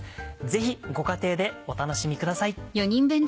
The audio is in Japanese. ぜひご家庭でお楽しみください。